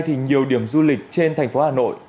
nhiều điểm du lịch trên thành phố hà nội